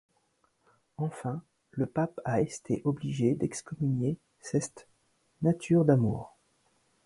Enfin, le pape a esté obligé d’excommunier ceste nature d’amour.